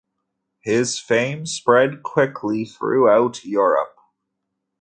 His fame spread quickly throughout Europe.